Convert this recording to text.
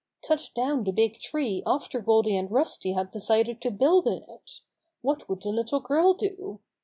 Cut down the big tree after Goldy and Rusty had decided to build in it! What would the little girl do!